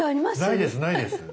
ないですないです。